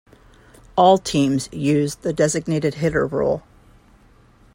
All teams use the designated hitter rule.